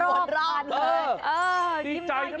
เออดีใจยิ้มใจ